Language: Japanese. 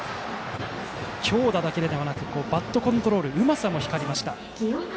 強打だけではなくバットコントロールのうまさも光りました。